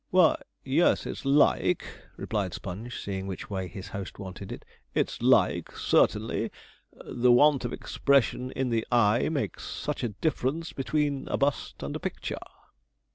'Why, yes, it's like,' replied Sponge, seeing which way his host wanted it; 'it's like, certainly; the want of expression in the eye makes such a difference between a bust and a picture.'